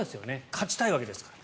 勝ちたいわけですから。